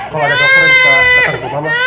kalau ada dokter kita datang ke mama